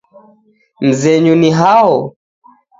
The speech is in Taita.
Mzenyu ni hao?